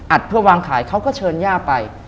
เพื่อวางขายเขาก็เชิญย่าไป